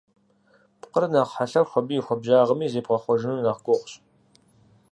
Пкъыр нэхъ хьэлъэху, абы и хуабжьагъми зебгъэхъуэжыну нэхъ гугъущ.